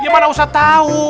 dia mana ustadz tahu